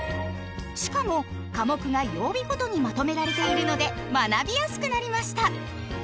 しかも科目が曜日ごとにまとめられているので学びやすくなりました！